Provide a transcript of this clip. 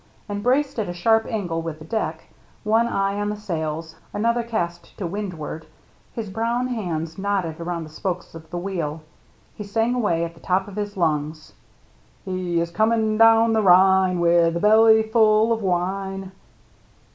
And braced at a sharp angle with the deck, one eye on the sails, another cast to windward, his brown hands knotted around the spokes of the wheel, he sang away at the top of his lungs :—He is coming down the Rhine. WithabeUyfiilofwine."